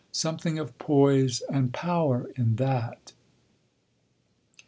Something of poise and power in that.